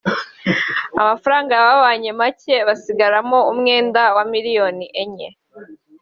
amafaranga yababanye make maze basigaramo umwenda wa miliyoni enye